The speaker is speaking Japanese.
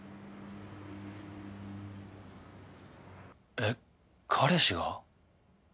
えっ彼氏が？